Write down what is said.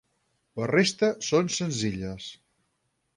La resta són senzilles.